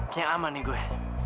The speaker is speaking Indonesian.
kayaknya aman nih gue